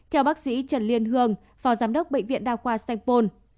theo bác sĩ trần liên hương phò giám đốc bệnh viện đăng khoa senpon